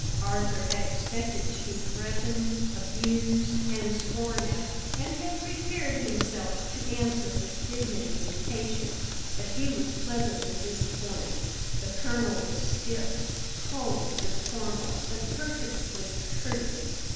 Arthur had expected to be threatened, abused, and sworn at, and had prepared himself to answer with dignity and patience; but he was pleasantly disappointed. The colonel was stiff, cold and formal, but perfectly courteous.